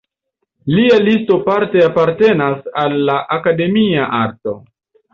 Lia stilo parte apartenas al la akademia arto.